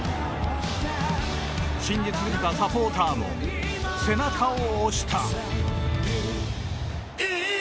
信じ続けたサポーターも背中を押した。